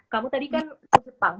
kamu tadi kan ke jepang